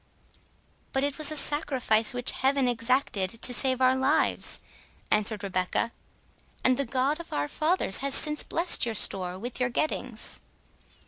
"But it was a sacrifice which Heaven exacted to save our lives," answered Rebecca, "and the God of our fathers has since blessed your store and your gettings."